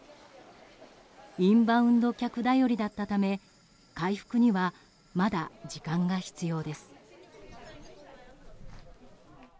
インバウンド客頼りだったため回復には、まだ時間が必要です。